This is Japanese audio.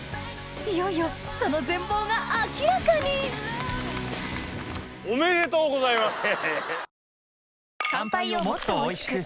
いよいよその全貌が明らかにおめでとうございます。